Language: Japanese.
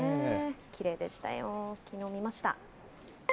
きれいでしたよ、きのう、見ました。